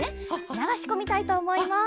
ながしこみたいとおもいます。